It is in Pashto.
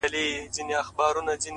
وي دردونه په سيــــنـــــوكـــــــــي،